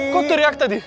kok teriak tadi